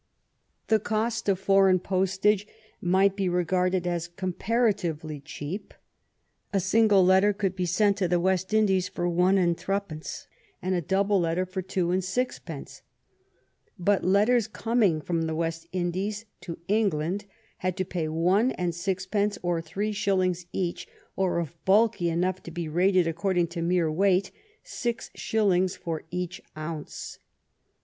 The cost of foreign postage might be regarded as comparatively cheap. A single sheet letter could be sent to the West Indies for one and threepence, and a double letter for two and sixpence, but letters coming from the West Indies to England had to pay one and sixpence or three shillings each, or, if bulky enough to be rated according to mere weight, six shillings for each ounce.